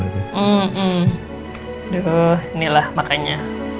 aduh inilah makanya